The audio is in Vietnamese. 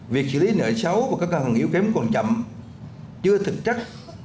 việc xử lý nợ xấu của các ngân hàng yếu kém còn chậm chưa thực chất